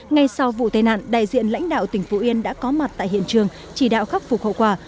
ngay sau vụ tai nạn đại diện lãnh đạo tỉnh phú yên đã có mặt tại hiện trường chỉ đạo khắc phục hậu quả